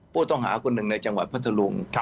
ผู้ต้องหากลุ่นหนึ่งในจังหวัดพระทะลุง